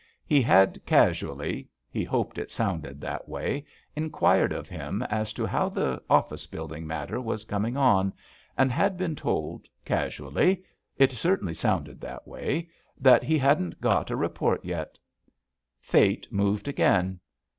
He had casually, he hoped it sounded that way, inquired of him as to how the office building matter was coming on, and had been told, casually, it certainly sounded that way, that he hadn't got a re port yet. Fate moved again.